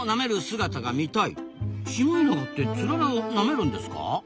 シマエナガってツララをなめるんですか？